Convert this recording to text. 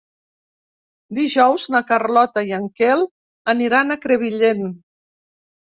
Dijous na Carlota i en Quel aniran a Crevillent.